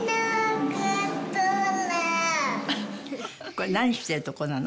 これ何してるとこなの？